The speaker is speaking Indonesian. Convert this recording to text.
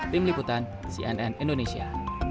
tim liputan cnn indonesia